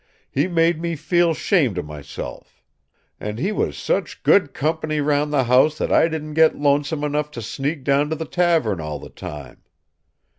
He made me feel 'shamed of myself. And he was such good comp'ny round the house that I didn't get lonesome enough to sneak down to the tavern all the time.